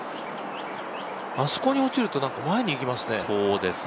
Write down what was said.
あそこに落ちると前に行きますね。